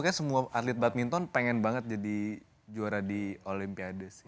kayaknya semua atlet badminton pengen banget jadi juara di olimpiade sih